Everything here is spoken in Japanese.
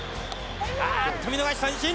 あーっと見逃し三振。